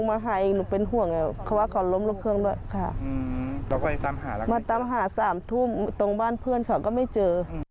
มาตามหา๓ทุ่มตรงบ้านเพื่อนเขาก็ไม่เจอ